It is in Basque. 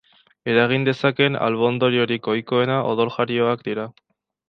Eragin dezakeen albo-ondoriorik ohikoena odoljarioak dira.